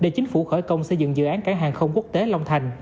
để chính phủ khởi công xây dựng dự án cảng hàng không quốc tế long thành